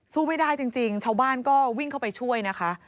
สู้ไม่ได้จริงชาวบ้านก็วิ่งเข้าไปช่วยนะคะ